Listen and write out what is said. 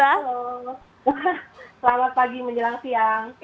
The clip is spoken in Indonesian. halo selamat pagi menjelang siang